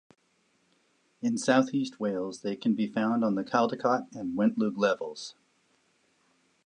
In southeast Wales, they can be found on the Caldicot and Wentloog Levels.